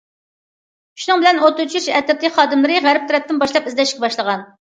شۇنىڭ بىلەن ئوت ئۆچۈرۈش ئەترىتى خادىملىرى غەرب تەرەپتىن باشلاپ ئىزدەشكە باشلىغان.